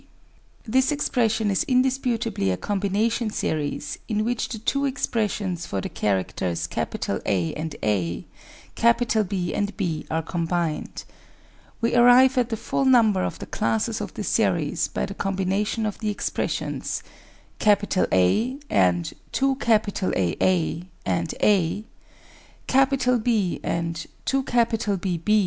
This expression is indisputably a combination series in which the two expressions for the characters A and a, B and b are combined. We arrive at the full number of the classes of the series by the combination of the expressions : A + 2Aa + a B + 256 + 6. Expt. 2.